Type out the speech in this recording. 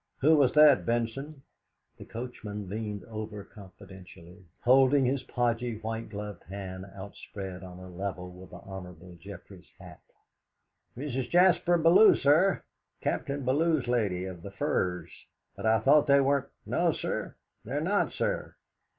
"Who was that, Benson?" The coachman leaned over confidentially, holding his podgy white gloved hand outspread on a level with the Hon. Geoffrey's hat. "Mrs. Jaspar Bellew, sir. Captain Bellew's lady, of the Firs." "But I thought they weren't " "No, sir; they're not, sir."